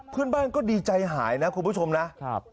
เพื่อนบ้านก็ดีใจหายนะคุณผู้ชมนะ